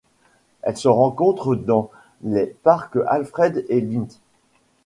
Elle se rencontre dans les parcs Alfred et Lind.